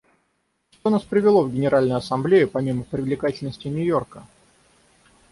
Что нас привело в Генеральную Ассамблею, помимо привлекательности Нью-Йорка?